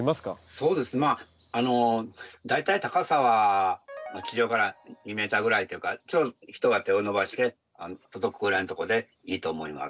そうですねまあ大体高さは地上から２ｍぐらいというかちょうど人が手を伸ばして届くぐらいのところでいいと思います。